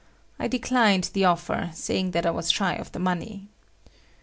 I declined the offer saying that I was shy of the money.